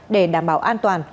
để đảm bảo an toàn